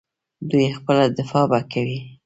دوی خپله دفاع به کوي.